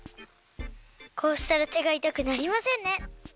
こうしたらてがいたくなりませんね！